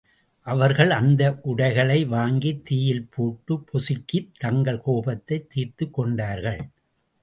அவர்கள் அந்த உடைகளை வாங்கித் தீயில் போட்டு பொசுக்கித் தங்கள் கோபத்தைத் தீர்த்துக் கொண்டார்கள்.